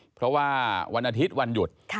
เพราะว่าวันอาทิตย์วันหยุด